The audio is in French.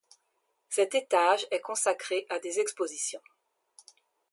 Cet étage est consacré à des expositions.